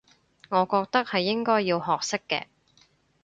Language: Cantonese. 我覺得係應該要學識嘅